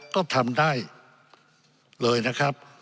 ก็ทำได้เลยนะครับ